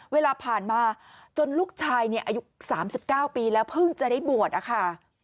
เวลาผ่านมาจนลูกชายอายุ๓๙ปีแล้วเพิ่งจะได้บวชนะคะ